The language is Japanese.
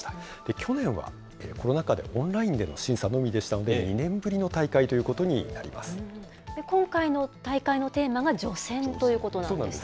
去年はコロナ禍でオンラインでの審査のみでしたので、２年ぶりの今回の大会のテーマが除染とそうなんです。